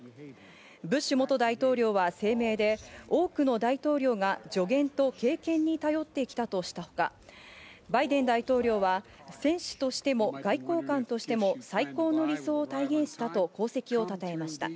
ブッシュ元大統領は声明で、多くの大統領が助言と経験に頼ってきたとしたほか、バイデン大統領は戦士としても外交官としても最高の理想を体現したと功績を称えました。